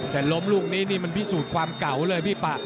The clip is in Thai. แต่ล้มลูกนี้นี่มันพิสูจน์ความเก่าเลยพี่ปะ